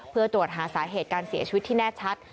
เพื่อตรวจหาสาเหตุการเสียชีวิตที่แน่ชัด